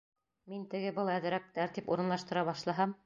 Мин теге-был әҙерәк тәртип урынлаштыра башлаһам...